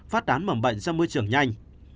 phát đán mầm bệnh trong môi trường nhanh